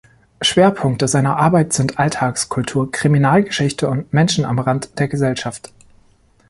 Schwerpunkte seiner Arbeit sind Alltagskultur, Kriminalgeschichte und Menschen am Rand der Gesellschaft.